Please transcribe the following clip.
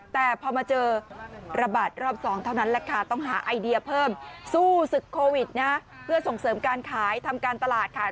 แต่พอมาเจอระบาดรอบ๒เท่านั้นแหละค่ะต้องหาไอเดียเพิ่มสู้ศึกโควิดนะเพื่อส่งเสริมการขายทำการตลาดค่ะ